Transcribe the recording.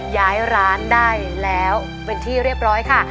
ย้ายร้านได้แล้วเป็นที่เรียบร้อยค่ะ